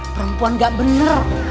perempuan gak bener